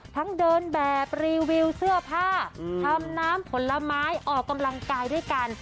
เดินแบบรีวิวเสื้อผ้าทำน้ำผลไม้ออกกำลังกายด้วยกัน